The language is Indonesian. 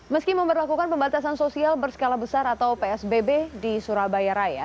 meski memperlakukan pembatasan sosial berskala besar atau psbb di surabaya raya